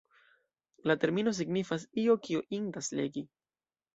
La termino signifas “io, kio indas legi”.